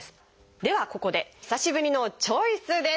ではここで久しぶりの「チョイス」です！